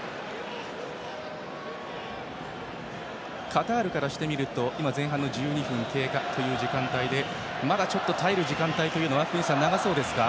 カタールからしてみると前半の１２分経過という時間帯で、まだ耐える時間帯が福西さん、長そうですか？